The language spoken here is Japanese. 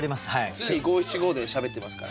常に五七五でしゃべってますから。